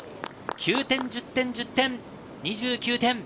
９点、１０点、１０点、２９点。